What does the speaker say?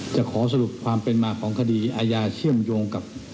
จะขอสรุปความเป็นมาของคดีอาญาเชื่อมโยงกับ